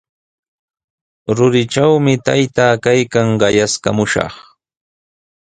Ruritrawmi taytaa kaykan, qayaskamushaq.